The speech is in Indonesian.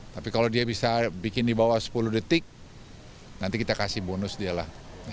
tapi kalau dia bisa bikin di bawah sepuluh detik nanti kita kasih bonus dia lah